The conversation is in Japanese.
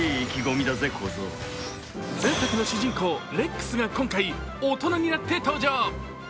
前作の主人公レックスが今回、大人になって登場。